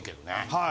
はい。